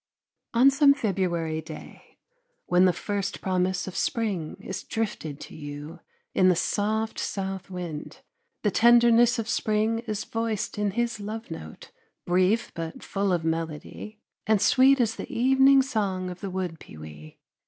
On some February day, when the first promise of spring is drifted to you in the soft south wind, the tenderness of spring is voiced in his love note, brief but full of melody, and sweet as the evening song of the wood pewee.